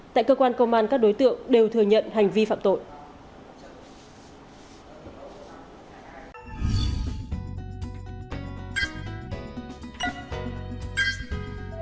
tại cơ quan công an các đối tượng đều thừa nhận hành vi phạm tội